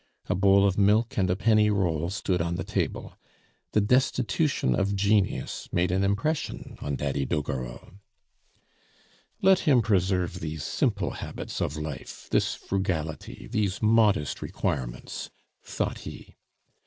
A bowl of milk and a penny roll stood on the table. The destitution of genius made an impression on Daddy Doguereau. "Let him preserve these simple habits of life, this frugality, these modest requirements," thought he.